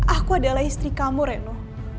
aku adalah istri kamu reno